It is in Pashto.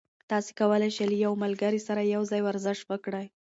تاسي کولای شئ له یو ملګري سره یوځای ورزش وکړئ.